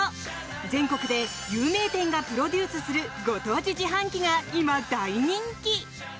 全国で有名店がプロデュースするご当地自販機が今、大人気。